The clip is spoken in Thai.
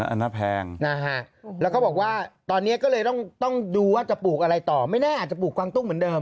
หน้าแพงดูตอนนี้ก็เลยต้องดูว่าจะปลูกอะไรต่อไม่แน่อาจจะปลูกกวางตุ้งเหมือนเดิม